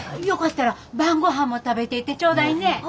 よかったら晩ごはんも食べていってちょうだいね。